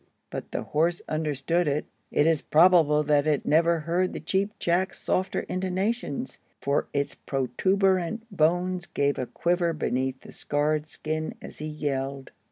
but the horse understood it. It is probable that it never heard the Cheap Jack's softer intonations, for its protuberant bones gave a quiver beneath the scarred skin as he yelled.